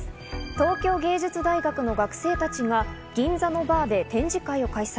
東京藝術大学の学生たちが銀座のバーで展示会を開催。